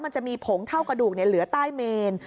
มันจะมีผงเท่ากระดูกเหลือใต้เมน